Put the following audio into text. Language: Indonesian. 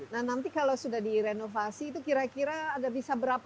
nah nanti kalau sudah direnovasi itu kira kira ada bisa berapa